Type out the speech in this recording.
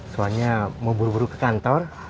soalnya mau buru buru ke kantor